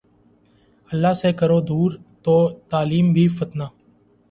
اللہ سے کرے دور ، تو تعلیم بھی فتنہ